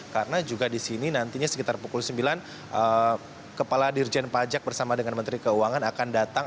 karena juga di sini nantinya sekitar pukul sembilan kepala dirjen pajak bersama dengan menteri keuangan akan datang